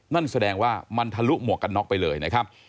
นั่นแสดงว่ามันทะลุหมวกกันน็อกไปเลยนะครับ